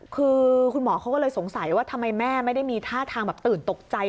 คือคุณหมอเขาก็เลยสงสัยว่าทำไมแม่ไม่ได้มีท่าทางแบบตื่นตกใจ